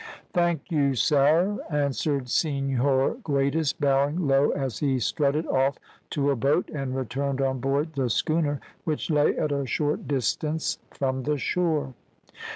"Thank you, sare," answered Senhor Guedes, bowing low as he strutted off to a boat, and returned on board the schooner, which lay at a short distance from the shore.